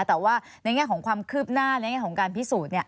แต่ว่าในแง่ของความคืบหน้าในแง่ของการพิสูจน์